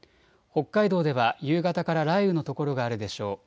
北海道では夕方から雷雨の所があるでしょう。